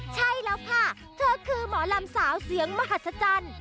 ใช่แล้วค่ะเธอคือหมอลำสาวเสียงมหัศจรรย์